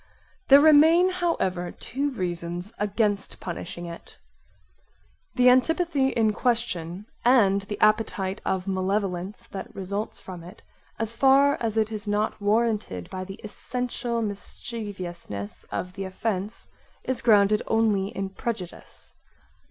There remain however two reasons against punishing it. The antipathy in question (and the appetite of malevolence that results from it) as far as it is not warranted by the essential mischieviousness of the offence is grounded only in prejudice.